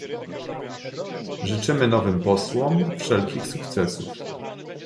Życzymy nowym posłom wszelkich sukcesów